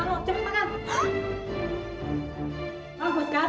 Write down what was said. aku sekarang menyandar upah tanganmu un meat